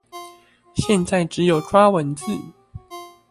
現在只有抓文字